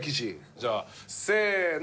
じゃあせーの。